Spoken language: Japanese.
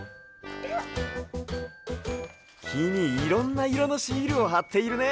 きにいろんないろのシールをはっているね。